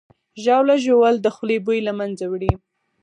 ژاوله ژوول د خولې بوی له منځه وړي.